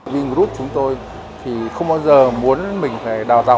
vì group chúng tôi thì không bao giờ muốn mình phải đào tạo